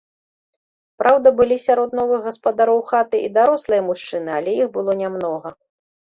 Праўда, былі сярод новых гаспадароў хаты і дарослыя мужчыны, але іх было нямнога.